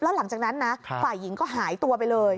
แล้วหลังจากนั้นนะฝ่ายหญิงก็หายตัวไปเลย